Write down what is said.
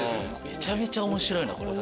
めちゃめちゃ面白いこれ。